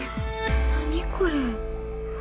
何これ。